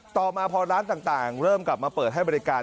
ต่อมาพอร้านต่างเริ่มกลับมาเปิดให้บริการ